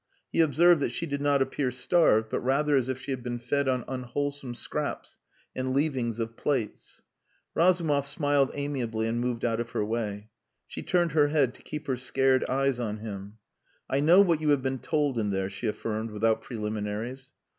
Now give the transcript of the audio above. He observed that she did not appear starved, but rather as if she had been fed on unwholesome scraps and leavings of plates. Razumov smiled amiably and moved out of her way. She turned her head to keep her scared eyes on him. "I know what you have been told in there," she affirmed, without preliminaries.